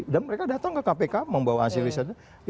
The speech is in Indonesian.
dan mereka datang ke kpk membawa hasil risetnya